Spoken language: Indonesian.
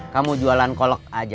kamu jualan kolek aja